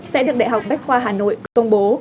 sẽ được đại học bách khoa hà nội công bố